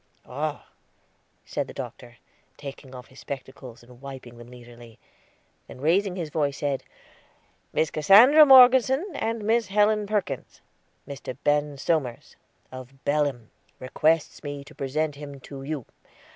"Ah," said the Doctor, taking off his spectacles and wiping them leisurely; then raising his voice, said, "Miss Cassandra Morgeson and Miss Helen Perkins, Mr. Ben Somers, of Belem, requests me to present him to you.